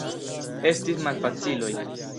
Estis malfaciloj.